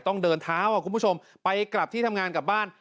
ต้องเดินเท้าคุณผู้ชมไปกลับที่ทำงานกลับบ้าน